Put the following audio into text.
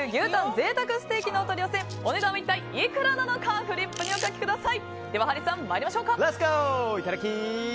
贅沢ステーキのお取り寄せお値段は一体いくらなのかフリップにお書きください。